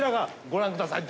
ご覧ください。